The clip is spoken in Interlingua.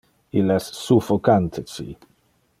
Il es suffocante ci.